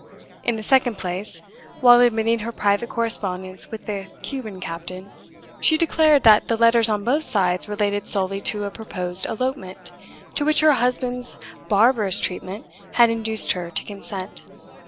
In the second place, while admitting her private correspondence with the Cuban captain, she declared that the letters on both sides related solely to a proposed elopement, to which her husband's barbarous treatment had induced her to consent.